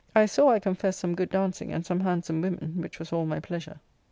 I saw, I confess, some good dancing and some handsome women, which was all my pleasure.